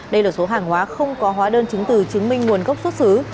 đây là số hàng hóa không có hóa đơn chứng từ chứng minh nguồn gốc xuất xứ